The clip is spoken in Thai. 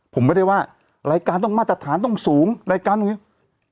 ผมไม่ได้ว่ารายการต้องมาตรฐานต้องสูงรายการตรงนี้